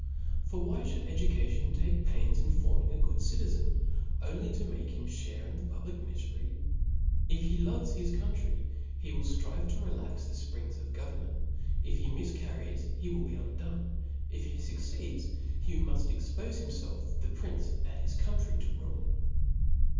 For why (hould education take pains in forming a gogd citizen, only to make him (hare in the pub lic mifery ? If he loves his country, he will ftrive to rtlax the fprings of government ; if he mifcar ries, he will be undone ; if he fucceeds, he muft ex pofc himfelf^ the prince, and his country, to ruin.